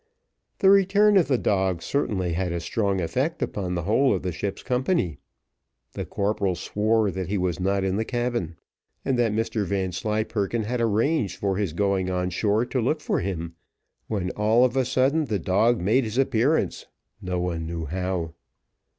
The return of the dog certainly had a strong effect upon the whole of the ship's company. The corporal swore that he was not in the cabin, and that Mr Vanslyperken had arranged for his going on shore to look for him, when all of a sudden the dog made his appearance, no one knew how.